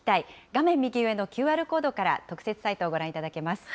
画面右上のＱＲコードから特設サイトをご覧いただけます。